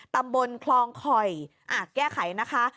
ตำบลคลองคอยแก้ไขนะคะ